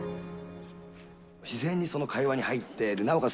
自然にその会話に入って、なおかつ